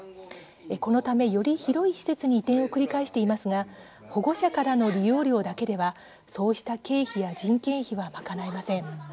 このため、より広い施設に移転を繰り返していますが保護者からの利用料だけではそうした経費や人件費は賄えません。